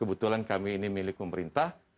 kebetulan kami ini milik pemerintah